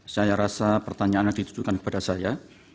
saya rasa pertanyaannya ditujukan kepada saya